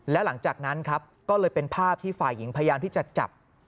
และหลังจากนั้นครับก็เลยเป็นภาพที่ฝ่ายหญิงพยายามที่จะจับ